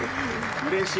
うれしい。